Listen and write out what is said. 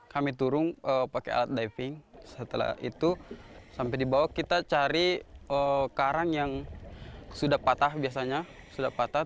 namun juga penghidupan bagi orang selayar